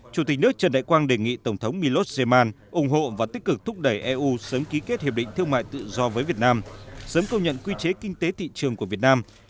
chủ tịch nước trần đại quang đề nghị tổng thống millos jaman ủng hộ và tích cực thúc đẩy eu sớm ký kết hiệp định thương mại tự do với việt nam sớm công nhận quy chế kinh tế thị trường của việt nam